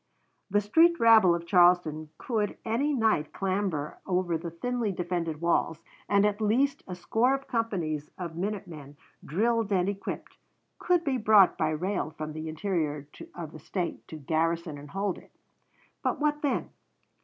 The street rabble of Charleston could any night clamber over the thinly defended walls, and at least a score of companies of minute men, drilled and equipped, could be brought by rail from the interior of the State to garrison and hold it. But what then?